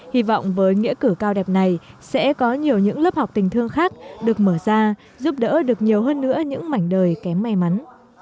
hy vọng với nghĩa cử cao đẹp này sẽ có nhiều những lớp học tình thương khác được mở ra giúp đỡ được nhiều hơn nữa những mảnh đời kém may mắn